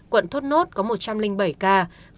quận thuất nốt có một trăm linh bảy ca